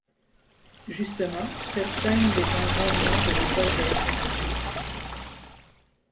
Justement, cette chaîne dépend grandement de l'école de référence.